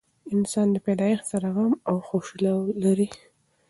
انسان له پیدایښت سره غم او خوښي لري.